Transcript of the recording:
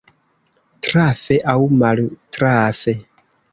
Trafe aŭ maltrafe.